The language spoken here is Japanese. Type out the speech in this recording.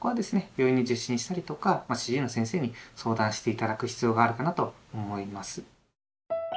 病院に受診したりとか主治医の先生に相談して頂く必要があるかなと思います。